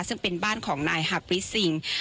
ซึ่งเป็นบ้านของไนฮาร์บริซิ้น